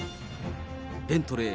ベントレー